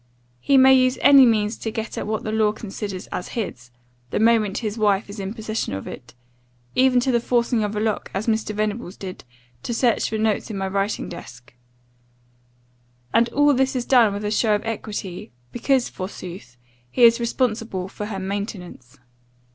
He may use any means to get at what the law considers as his, the moment his wife is in possession of it, even to the forcing of a lock, as Mr. Venables did, to search for notes in my writing desk and all this is done with a show of equity, because, forsooth, he is responsible for her maintenance.